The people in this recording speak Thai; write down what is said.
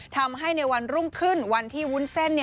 ทำให้ในวันรุ่งขึ้นวันที่วุ้นเส้น